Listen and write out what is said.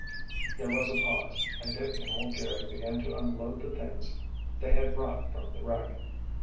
There was a pause, and Dick and old Jerry began to unload the things they had brought from the wreck.